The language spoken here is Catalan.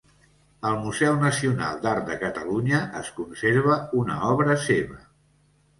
Al Museu Nacional d'Art de Catalunya es conserva una obra seva.